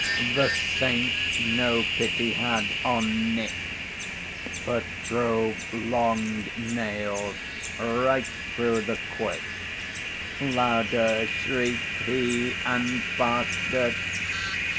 The saint no pity had on Nick, But drove long nails right through the quick; Louder shrieked he, and faster.